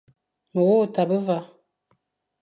Me wu tabe va,